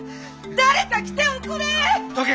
誰か来ておくれ！どけ！